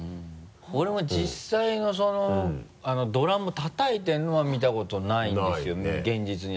俺も実際のそのドラムを叩いてるのは見たことないんですけど現実には。